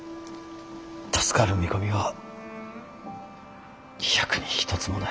助かる見込みは百に一つもない。